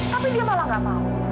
tapi dia malah gak mau